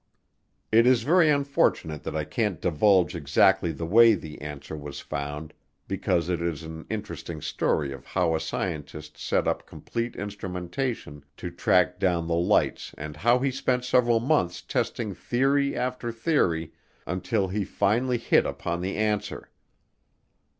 It is very unfortunate that I can't divulge exactly the way the answer was found because it is an interesting story of how a scientist set up complete instrumentation to track down the lights and how he spent several months testing theory after theory until he finally hit upon the answer.